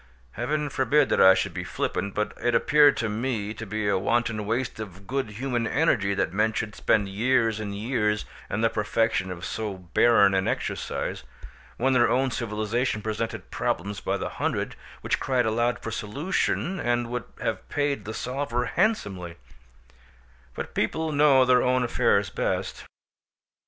Heaven forbid that I should be flippant, but it appeared to me to be a wanton waste of good human energy that men should spend years and years in the perfection of so barren an exercise, when their own civilisation presented problems by the hundred which cried aloud for solution and would have paid the solver handsomely; but people know their own affairs best.